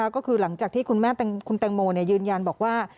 ก็คือหลังจากที่คุณแม่คุณแตงโมยืนยันบอกว่า